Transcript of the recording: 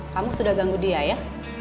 kamu sudah ganggu dia ya